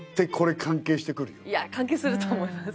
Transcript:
関係すると思います。